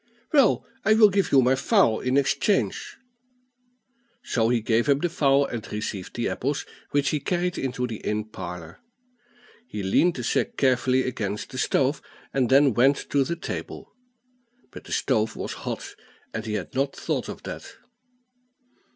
Well, I will give you my fowl in exchange." So he gave up the fowl, and received the apples, which he carried into the inn parlor. He leaned the sack carefully against the stove, and then went to the table. But the stove was hot, and he had not thought of that.